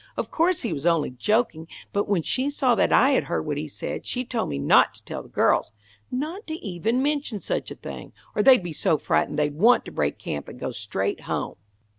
Of course he was only joking, but when she saw that I had heard what he said, she told me not to tell the girls; not to even mention such a thing, or they'd be so frightened they'd want to break camp and go straight home."